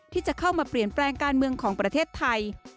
ที่จะเข้ามาเปลี่ยนแปลงการเมืองของประเทศไทย